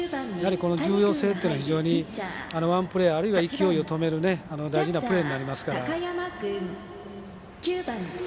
重要性っていうのは非常にワンプレー勢いを止める大事なプレーになりますから。